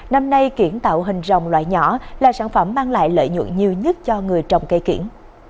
năm nay kiển tạo hình rồng loại nhỏ là sản phẩm mang lại lợi nhuận nhiều nhất cho người trồng cây kiển